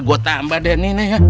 gua tambah deh nih nih ya